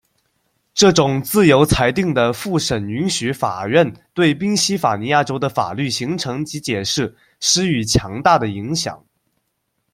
这种自由裁定的复审允许法院对宾夕法尼亚州的法律形成及解释施予强大的影响。